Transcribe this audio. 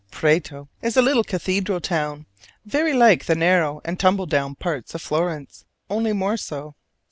Prato is a little cathedral town, very like the narrow and tumble down parts of Florence, only more so.